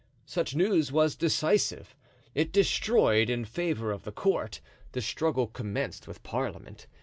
Such news was decisive; it destroyed, in favor of the court, the struggle commenced with parliament.